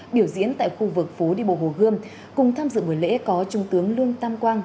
biểu diễn tại khu vực phố đi bộ hồ gươm cùng tham dự buổi lễ có trung tướng lương tam quang